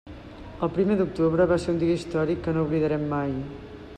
El primer d'octubre va ser un dia històric que no oblidarem mai.